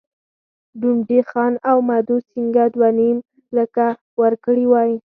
ډونډي خان او مدو سینګه دوه نیم لکه ورکړي وای.